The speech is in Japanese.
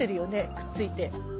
くっついて。